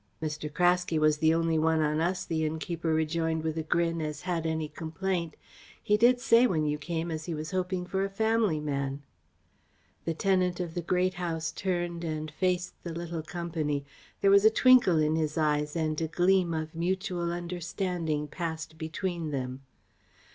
"Mr. Craske was the only one on us," the innkeeper rejoined with a grin, "as had any complaint. He did say, when you came, as he was hoping for a family man." The tenant of the Great House turned and faced the little company. There was a twinkle in his eyes and a gleam of mutual understanding passed between them.